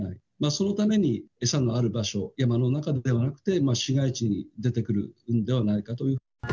そのために、餌がある場所、山の中ではなくて、市街地に出てくるんではないかと。